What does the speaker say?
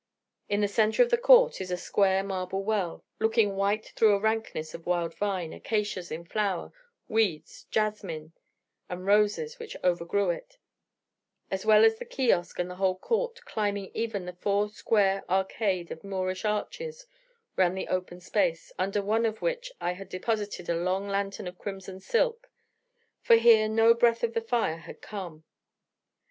In the centre of the court is a square marble well, looking white through a rankness of wild vine, acacias in flower, weeds, jasmines, and roses, which overgrew it, as well as the kiosk and the whole court, climbing even the four square arcade of Moorish arches round the open space, under one of which I had deposited a long lantern of crimson silk: for here no breath of the fire had come.